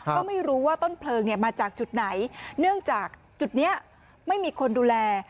ก็ไม่รู้ว่าต้นเพลิงมาจากจุดไหนเนื่องจากจุดนี้ไม่มีคนดูแล